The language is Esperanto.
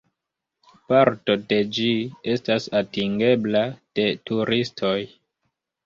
Parto de ĝi estas atingebla de turistoj.